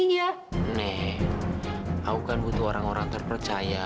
yaudah satu aja